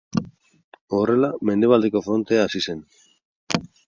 Horrela, Mendebaldeko Frontea hasi zen.